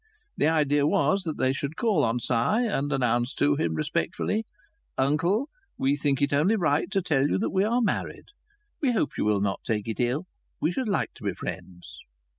The idea was that they should call on Si and announce to him, respectfully: "Uncle, we think it only right to tell you that we are married. We hope you will not take it ill, we should like to be friends."